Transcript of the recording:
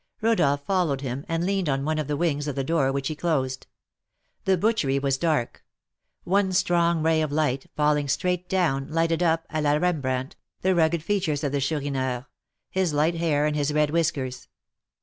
Rodolph followed him, and leaned on one of the wings of the door, which he closed. The butchery was dark; one strong ray of light, falling straight down, lighted up, à la Rembrandt, the rugged features of the Chourineur, his light hair, and his red whiskers.